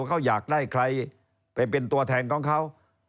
เขาอยากได้ใครไปเป็นตัวแทนของเขา